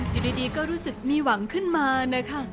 อยู่ดีก็รู้สึกมีหวังขึ้นมานะคะ